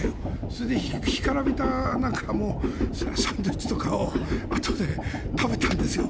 それで干からびたサンドイッチとかをあとで食べたんですよ。